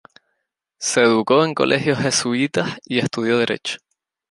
Se educó en colegios jesuitas y estudió Derecho.